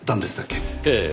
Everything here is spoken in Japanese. ええ。